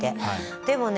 でもね